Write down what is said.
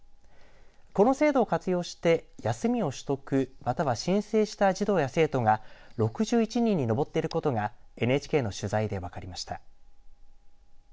この制度を活用して休みを取得または申請した児童や生徒が６１人に上っていることがＮＨＫの取材で分かりました。